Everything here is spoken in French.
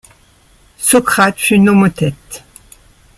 Socrate fut nomothète.